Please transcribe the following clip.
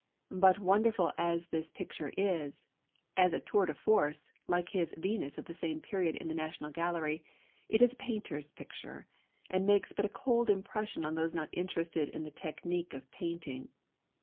But wonderful as this picture is, as a "tour de force," like his Venus of the same period in the National Gallery, it is a painter's picture, and makes but a cold impression on those not interested in the technique of painting.